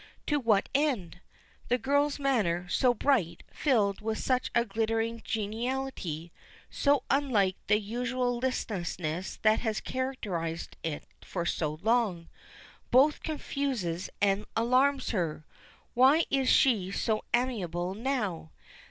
To what end? The girl's manner, so bright, filled with such a glittering geniality so unlike the usual listlessness that has characterized it for so long both confuses and alarms her. Why is she so amiable now?